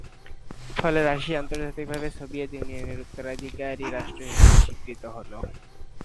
ফলে রাশিয়া আন্তর্জাতিকভাবে সোভিয়েত ইউনিয়নের উত্তরাধিকারী রাষ্ট্র হিসেবে স্বীকৃত হল।